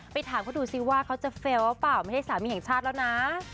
ถามเขาดูซิว่าเขาจะเฟลล์ว่าเปล่าไม่ใช่สามีแห่งชาติแล้วนะ